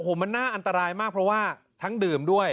โอ้โหมันน่าอันตรายมากเพราะว่าทั้งดื่มด้วย